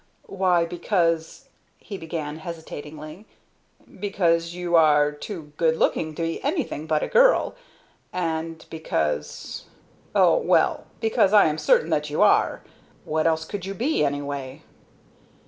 "Why, because," he began, hesitatingly "because you are too good looking to be anything but a girl, and because Oh, well, because I am certain that you are. What else could you be, anyway?"